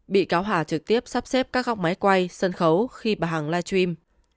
bị cáo hà trực tiếp sắp xếp các góc máy quay sân khấu khi bà hằng live stream